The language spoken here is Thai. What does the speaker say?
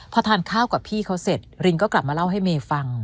พอทานข้าวกับพี่เขาเสร็จรินก็กลับมาเล่าให้เมย์ฟัง